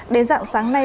đến dạng sáng nay